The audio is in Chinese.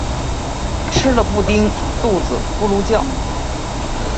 吃了布丁肚子咕噜叫